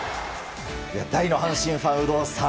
大の阪神ファン、有働さん